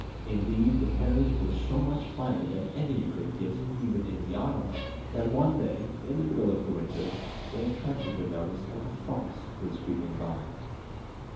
Indeed, the pears were so much finer than any you could get even in the autumn, that one day, in the middle of the winter, they attracted the notice of a fox who was creeping by.